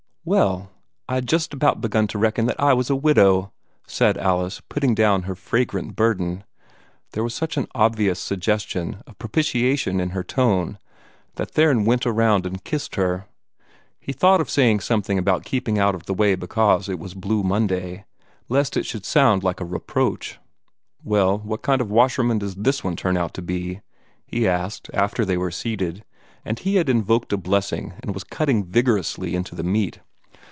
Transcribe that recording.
"Well! I'd just about begun to reckon that I was a widow," said Alice, putting down her fragrant burden. There was such an obvious suggestion of propitiation in her tone that Theron went around and kissed her. He thought of saying something about keeping out of the way because it was "Blue Monday," but held it back lest it should sound like a reproach. "Well, what kind of a washerwoman does THIS one turn out to be?" he asked, after they were seated, and he had invoked a blessing and was cutting vigorously into the meat.